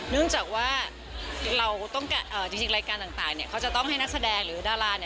เนื่องจากว่าจริงรายการต่างเขาจะต้องให้นักแสดงหรือดารา